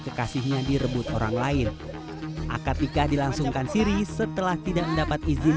kekasihnya direbut orang lain akad nikah dilangsungkan siri setelah tidak mendapat izin